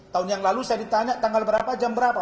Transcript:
tahun yang lalu saya ditanya tanggal berapa jam berapa